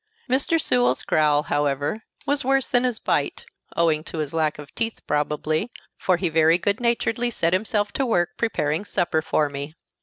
Mr. Sewell's growl, however, was worse than his bite, owing to his lack of teeth, probably for he very good naturedly set himself to work preparing supper for me.